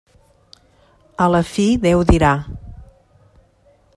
A la fi Déu dirà.